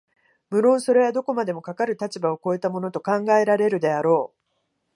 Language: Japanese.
無論それはどこまでもかかる立場を越えたものと考えられるであろう、